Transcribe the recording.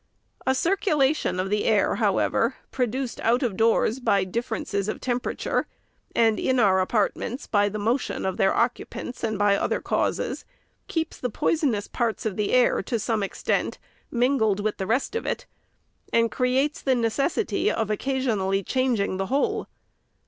A circulation of the air, however, produced out of doors by differences of temperature, and in our apartments by the motion of their occupants and by other causes, keeps the poisonous parts of the air, to some extent, mingled with the rest of it, and creates the necessity of occfisionally ON SCHOOLHOUSES. 439 changing the whole.